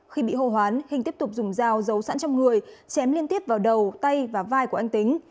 khi bị hô hoán hình tiếp tục dùng dao giấu sẵn trong người chém liên tiếp vào đầu tay và vai của anh tính